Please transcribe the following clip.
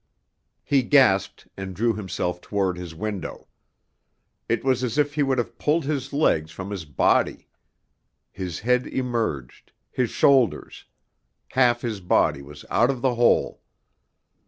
He gasped, and drew himself toward his window. It was as if he would have pulled his legs from his body. His head emerged, his shoulders half his body was out of the hole.